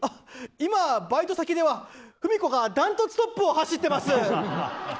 今、バイト先ではフミコがダントツトップを走ってます！